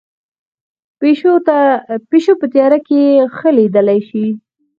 پیشو په تیاره کې ښه لیدلی شي